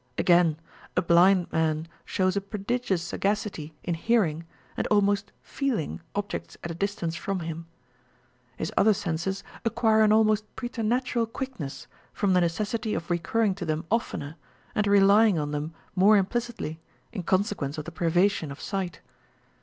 Again, a blind man shows a prodigious sagacity in hearing and almost feeling objects at a distance from him. His other senses acquire an almost preternatural quickness from the necessity of re curring to them oftener, and relying on them more impli citly, in consequence of the privation of sight.